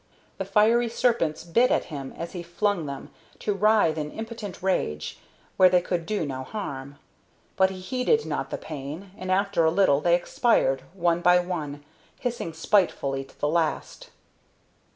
The fiery serpents bit at him as he flung them, to writhe in impotent rage, where they could do no harm; but he heeded not the pain, and after a little they expired, one by one, hissing spitefully to the last.